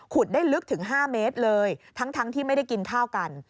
ได้ลึกถึง๕เมตรเลยทั้งที่ไม่ได้กินข้าวกัน